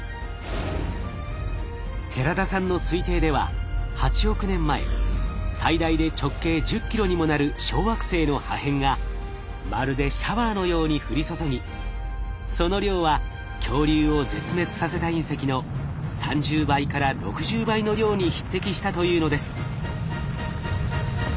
寺田さんの推定では８億年前最大で直径１０キロにもなる小惑星の破片がまるでシャワーのように降り注ぎその量は恐竜を絶滅させた隕石の３０倍から６０倍の量に匹敵したというのです。